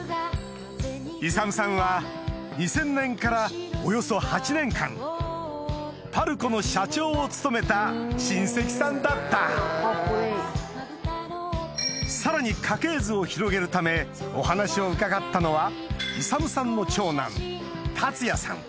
勇さんは２０００年からおよそ８年間ＰＡＲＣＯの社長を務めた親戚さんだったさらに家系図を広げるためお話を伺ったのは勇さんの長男達也さん